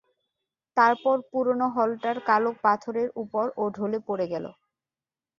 তারপর পুরনো হলটার কালো পাথরের উপর ও ঢলে পড়ে গেল।